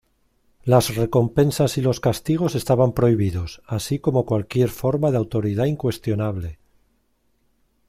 Las recompensas y los castigos estaban prohibidos, así como cualquier forma de autoridad incuestionable.